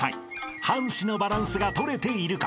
［半紙のバランスがとれているか］